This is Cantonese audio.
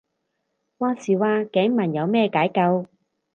話時話頸紋有咩解救